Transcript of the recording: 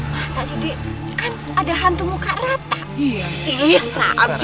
masa sih dek kan ada hantu muka rata